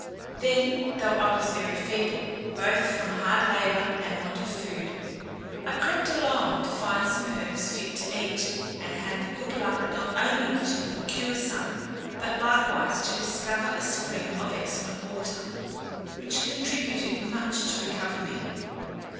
Then, though I was very feeble, both from hard labour and want of food, I crept along to find some herbs fit to eat, and had the good luck not only to procure some, but likewise to discover a spring of excellent water, which contributed much to recover me.